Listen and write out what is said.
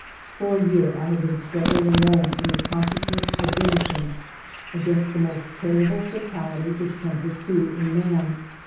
" For a year I have been struggling alone in the consciousness of innocence, against the most terrible fatality which can pursue a man.